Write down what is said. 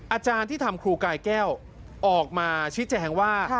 อาจารย์ที่ทำครูกายแก้วออกมาชี้แจงว่า